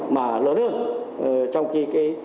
mà lớn hơn trong khi